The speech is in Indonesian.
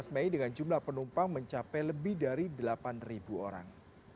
tujuh belas mei dengan jumlah penumpang mencapai lebih dari delapan orang